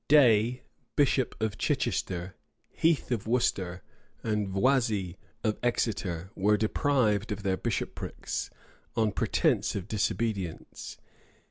Day, bishop of Chichester, Heathe of Worcester, and Voisey of Exeter, were deprived of their bishoprics, on pretence of disobedience.